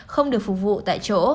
không được phục vụ tại chỗ